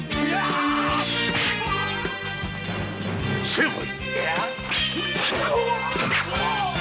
成敗！